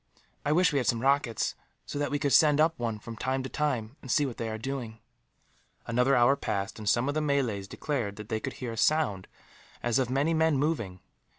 I wish we had some rockets; so that we could send up one, from time to time, and see what they are doing." Another hour passed, and some of the Malays declared that they could hear a sound as of many men moving.